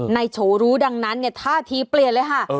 นายโฉอรู้ดังนั้นไงท่าทีเปลี่ยนเลยค่ะ